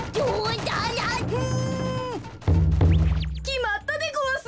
きまったでごわす！